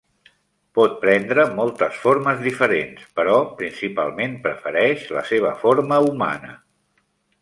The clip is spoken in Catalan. Pot prendre moltes formes diferents, però principalment prefereix la seva forma humana.